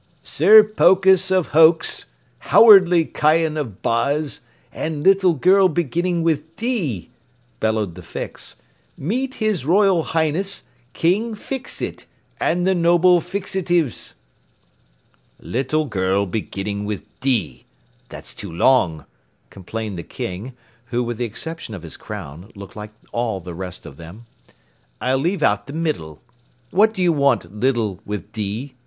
"Sir Pokus of Hoax, Howardly Kion of Boz, and Little Girl Beginning with D," bellowed the Fix, "meet His Royal Highness, King Fix It, and the noble Fixitives." "Little Girl Beginning with D! That's too long," complained the King, who, with the exception of his crown, looked like all the rest of them, "I'll leave out the middle. What do you want, Little With D?"